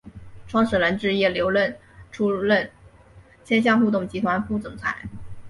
创始人之一刘韧出任千橡互动集团副总裁。